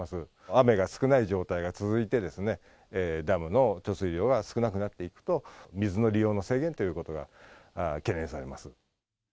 雨が少ない状態が続いてですね、ダムの貯水量が少なくなっていくと、水の利用の制限ということが懸念されます。